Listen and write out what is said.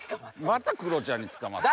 またクロちゃんに捕まった。